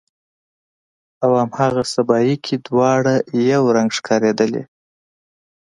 او هاغه سبایي کې دواړه یو رنګ ښکاریدلې